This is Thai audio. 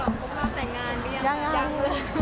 พี่ฉลับพร้อมแต่งงานก็ยัง